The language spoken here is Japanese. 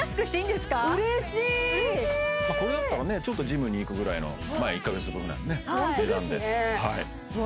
まあこれだったらねちょっとジムに行くぐらいのまあ１カ月分ぐらいのねホントですねうわ